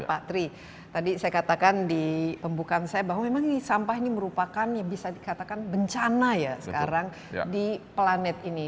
pak tri tadi saya katakan di pembukaan saya bahwa memang sampah ini merupakan bisa dikatakan bencana ya sekarang di planet ini